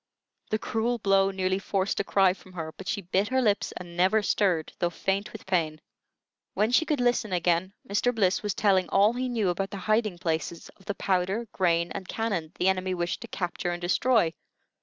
The cruel blow nearly forced a cry from her; but she bit her lips and never stirred, though faint with pain. When she could listen again, Mr. Bliss was telling all he knew about the hiding places of the powder, grain, and cannon the enemy wished to capture and destroy.